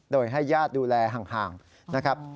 โดยให้ญาติดูแลห่างนะครับ